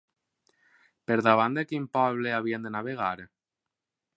Per davant de quin poble havien de navegar?